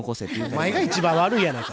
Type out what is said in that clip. お前が一番悪いやないか。